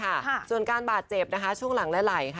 รวมเป็นการบาดเจ็บช่วงหลังไล่